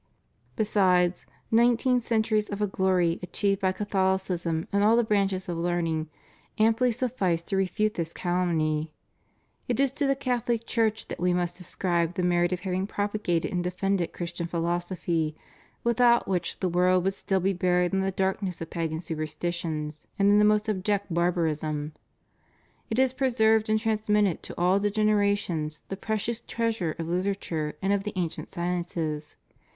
Besides, nineteen centuries of a glory achieved by Ca tholicism in all the branches of learning amply suffice to refute this calumny. It is to the Catholic Church that we must ascribe the merit of having propagated and defended Christian philosophy, without which the world would still be buried in the darkness of pagan superstitions and in the most abject barbarism. It has preserved and trans mitted to all generations the precious treasure of litera ture and of the ancient sciences.